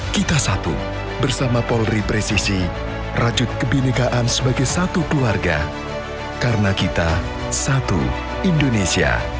kita satu bersama polri presisi rajut kebinekaan sebagai satu keluarga karena kita satu indonesia